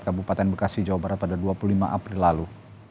kabupaten bekasi jawa barat pada dua puluh lima april lalu